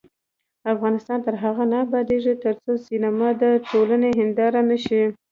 افغانستان تر هغو نه ابادیږي، ترڅو سینما د ټولنې هنداره نشي.